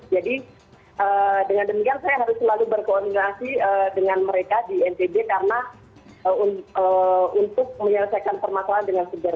jadi dengan dengar saya harus selalu berkoordinasi dengan mereka di ntb karena untuk menyelesaikan permasalahan dengan segera